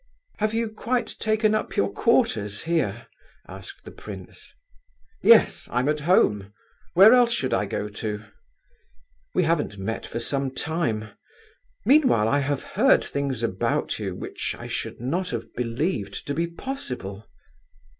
"Have you quite taken up your quarters here?" asked the prince "Yes, I'm at home. Where else should I go to?" "We haven't met for some time. Meanwhile I have heard things about you which I should not have believed to be possible."